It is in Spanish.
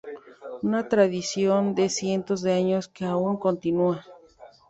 Una tradición de cientos de años que aún continúa.